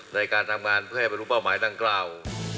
ในการทำงานเพื่อให้บรรลุเป้าหมายดังกล่าว